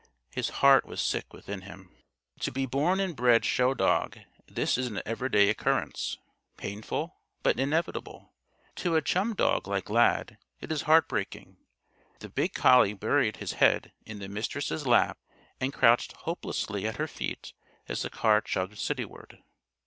His heart was sick within him. To the born and bred show dog this is an everyday occurrence painful, but inevitable. To a chum dog like Lad, it is heartbreaking. The big collie buried his head in the Mistress' lap and crouched hopelessly at her feet as the car chugged cityward.